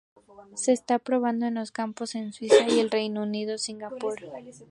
Se está probando en los campus en Suiza, el Reino Unido y Singapur.